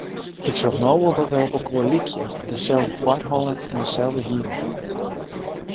Ik sjoch no wol dat wy opelkoar lykje; deselde foarholle en deselde hierynplant.